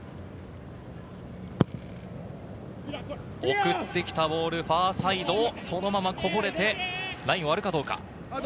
送ってきたボール、ファーサイド、そのままこぼれて、ラインを割るかどうか。